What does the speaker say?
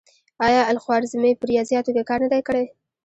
آیا الخوارزمي په ریاضیاتو کې کار نه دی کړی؟